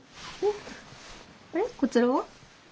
こちらは？